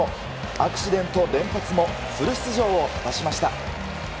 アクシデント連発もフル出場を果たしました。